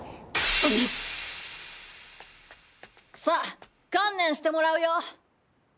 さぁ観念してもらうよ。